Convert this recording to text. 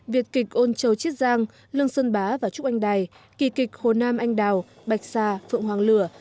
việt kịch ôn châu chiết giang lương sơn bá và trúc anh đài kỳ kịch hồ nam anh đào bạch sa phượng hoàng lửa